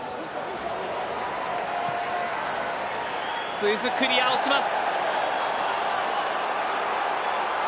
スイス、クリアをします。